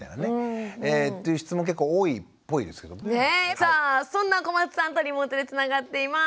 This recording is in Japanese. さあそんな小松さんとリモートでつながっています。